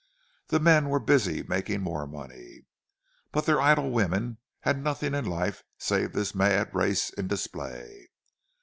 The men were busy making more money—but their idle women had nothing in life save this mad race in display.